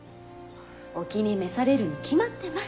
お気に召されるに決まってます！